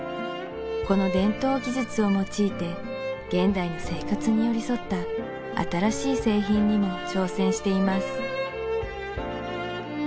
この伝統技術を用いて現代の生活に寄り添った新しい製品にも挑戦しています